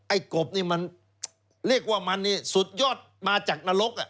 กบนี่มันเรียกว่ามันนี่สุดยอดมาจากนรก